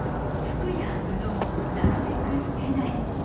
服や布を、なるべく捨てない。